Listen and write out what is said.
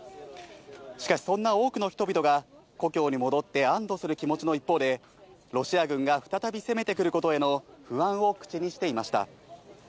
しかし、そんな多くの人々が故郷に戻って安どする気持ちの一方で、ロシア軍が再び攻めてくることへの不安を口にしていました。